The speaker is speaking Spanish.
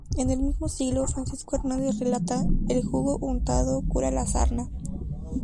En el mismo siglo, Francisco Hernández relata: el jugo untado cura la sarna.